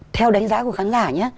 theo đánh giá của khán giả nhé